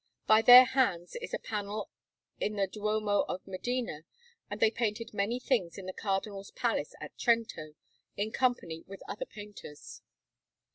By their hands is a panel in the Duomo of Modena; and they painted many things in the Cardinal's Palace at Trento, in company with other painters.